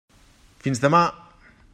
Fins demà.